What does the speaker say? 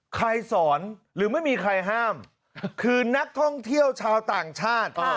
สอนหรือไม่มีใครห้ามคือนักท่องเที่ยวชาวต่างชาติ